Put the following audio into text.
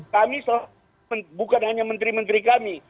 kami bukan hanya menteri menteri kami